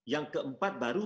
yang keempat baru